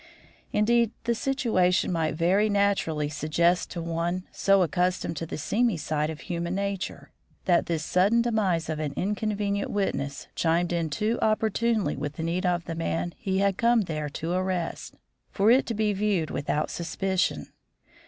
Indeed, the situation might very naturally suggest to one so accustomed to the seamy side of human nature, that this sudden demise of an inconvenient witness chimed in too opportunely with the need of the man he had come there to arrest, for it to be viewed without suspicion.